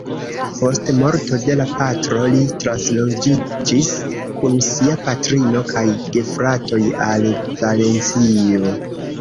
Post morto de la patro li transloĝiĝis kun sia patrino kaj gefratoj al Valencio.